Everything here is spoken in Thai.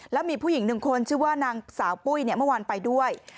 แล้วมีผู้หญิงหนึ่งคนชื่อว่านางสาวปุ้ยเมื่อวานไปด้วย